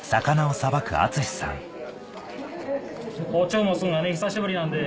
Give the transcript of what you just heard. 包丁を持つのが久しぶりなんで。